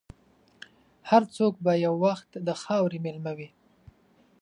هر څوک به یو وخت د خاورې مېلمه وي.